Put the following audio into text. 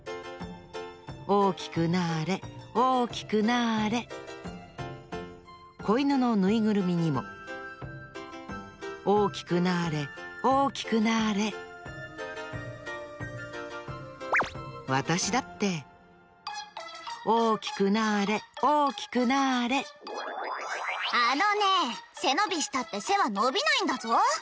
大きくなれ大きくなれこいぬのぬいぐるみにも大きくなれ大きくなれわたしだって大きくなれ大きくなれあのねえせのびしたってせはのびないんだぞ。